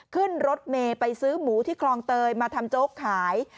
ขึ้นรถเมย์ไปซื้อหมูที่คลองเตยมาทำโจ๊กขาย